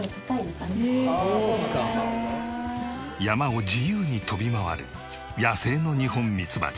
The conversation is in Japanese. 山を自由に飛び回る野生のニホンミツバチ。